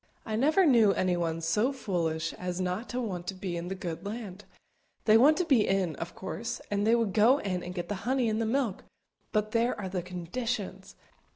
I never knew anyone so foolish as not to want to be in the good land; they want to be in, of course, and they would go in and get the honey and the milk, but there are the _conditions!